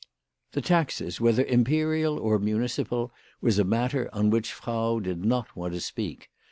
The taxes, whether imperial or municipal, was a matter on which Frau did not want to speak.